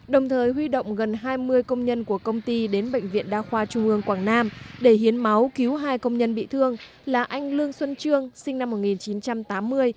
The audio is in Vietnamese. đồng thời huy động gần hai mươi công nhân của công ty đến bệnh viện đa khoa trung ương quảng nam để hiến máu cứu hai công nhân bị thương là anh lương xuân trương sinh năm một nghìn chín trăm tám mươi